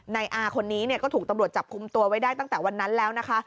นายอาคนนี้ก็ถูกตำรวจจับคุมตัวไว้ได้ตั้งแต่วันนั้นแล้วนะคะ